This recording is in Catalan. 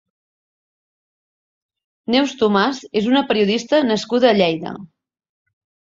Neus Tomàs és una periodista nascuda a Lleida.